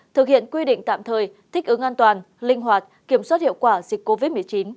thực hiện quy định tạm thời thích ứng an toàn linh hoạt kiểm soát hiệu quả dịch covid một mươi chín